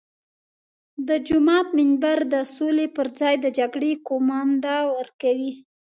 د جومات منبر د سولې پر ځای د جګړې قومانده ورکوي.